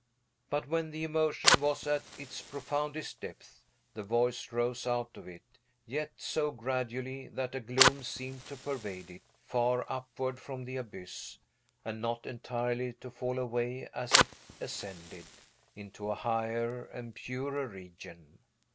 But, when the emotion was at its profoundest depth, the voice rose out of it, yet so gradually that a gloom seemed to pervade it, far upward from the abyss, and not entirely to fall away as it ascended into a higher and purer region.